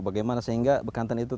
bagaimana sehingga bekantan ini berubah